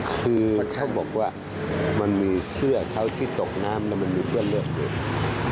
คือเขาบอกว่ามันมีเสื้อเขาที่ตกน้ำแล้วมันมีคราบเลือดอยู่